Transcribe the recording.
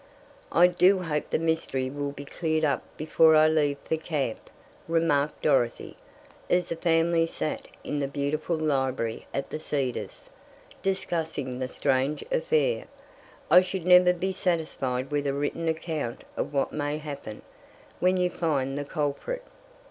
"I do hope the mystery will be cleared up before I leave for camp," remarked Dorothy, as the family sat in the beautiful library at the Cedars, discussing the strange affair. "I should never be satisfied with a written account of what may happen, when you find the culprit."